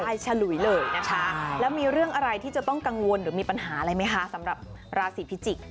ฉลุยเลยนะคะแล้วมีเรื่องอะไรที่จะต้องกังวลหรือมีปัญหาอะไรไหมคะสำหรับราศีพิจิกษ์